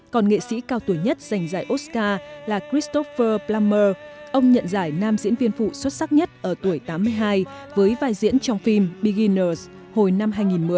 còn nghệ sĩ cao tuổi nhất giành giải oscar là christopher plammer ông nhận giải nam diễn viên phụ xuất sắc nhất ở tuổi tám mươi hai với vai diễn trong phim beguners hồi năm hai nghìn một mươi